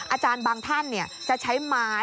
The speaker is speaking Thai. อาจารย์บางท่านจะใช้ไม้